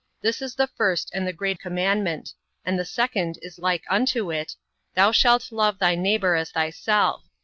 This is the first and the great commandment; and the second is like unto it, Thou shalt love thy neighbour as thyself.